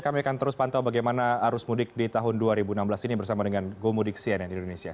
kami akan terus pantau bagaimana arus mudik di tahun dua ribu enam belas ini bersama dengan gomudik cnn indonesia